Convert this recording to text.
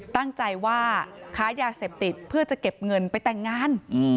ตั้งใจว่าค้ายาเสพติดเพื่อจะเก็บเงินไปแต่งงาน